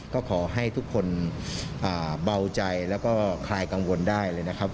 ก็ขอให้ทุกคนเบาใจแล้วก็คลายกังวลได้เลยนะครับ